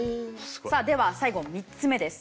さあでは最後３つ目です。